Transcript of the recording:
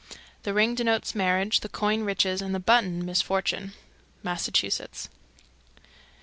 The ring denotes marriage, the coin riches, and the button misfortune. _Massachusetts.